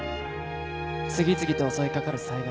次々と襲いかかる災害。